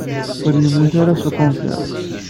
Ur yemmut ara s ukensir.